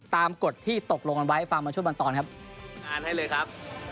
ตามกฎที่ตกลงกันไว้ฟังมาช่วงบรรตอนครับ